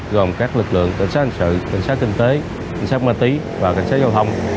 gồm các lực lượng cảnh sát hành sự cảnh sát kinh tế cảnh sát ma túy và cảnh sát giao thông